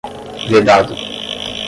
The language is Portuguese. vedado